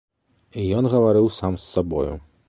Ён гаварыў сам з сабою.